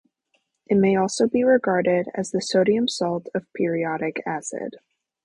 It may also be regarded as the sodium salt of periodic acid.